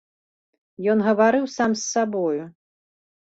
Ён гаварыў сам з сабою.